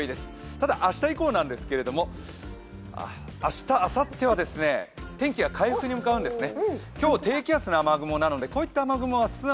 ただ明日以降なんですけど明日、あさっては天気が回復に向かうんですね。